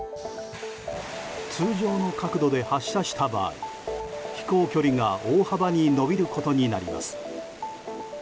通常の角度で発生した場合飛行距離が大幅に延びることになります。